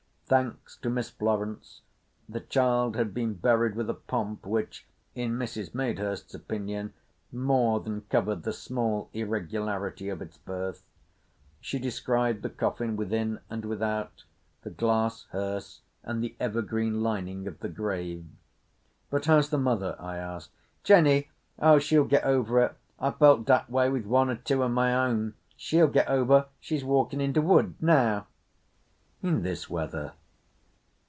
Thanks to Miss Florence, the child had been buried with a pomp which, in Mrs. Madehurst's opinion, more than covered the small irregularity of its birth. She described the coffin, within and without, the glass hearse, and the evergreen lining of the grave. "But how's the mother?" I asked. "Jenny? Oh, she'll get over it. I've felt dat way with one or two o' my own. She'll get over. She's walkin' in de wood now." "In this weather?"